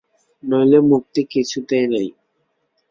নইলে মুক্তি কিছুতেই নেই।